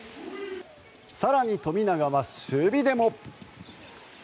更に、富永は守備でも。